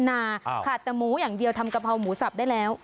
นาขาดแต่หมูอย่างเดียวทำกะเพราหมูสับได้แล้ว